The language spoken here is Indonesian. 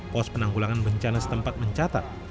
pos penanggulangan bencana setempat mencatat